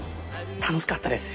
楽しかったです。